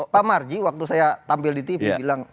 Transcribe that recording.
pak marji waktu saya tampil di tv bilang